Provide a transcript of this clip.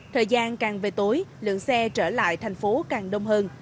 thời gian càng về tối lượng xe trở lại thành phố càng đông hơn